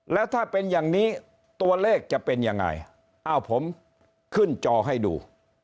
แล้วถ้าเป็นอย่างนี้ตัวเลขจะเป็นยังไงอ้าวผมขึ้นจอให้ดู